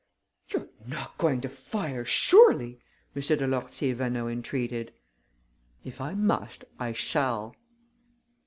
"You're not going to fire, surely!" M. de Lourtier Vaneau entreated. "If I must, I shall."